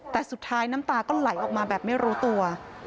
แต่สุดท้ายน้ำตาก็ไหลออกมาแบบไม่รู้ตัว